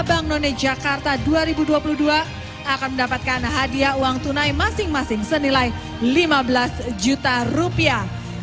bank none jakarta dua ribu dua puluh dua akan mendapatkan hadiah uang tunai masing masing senilai lima belas juta rupiah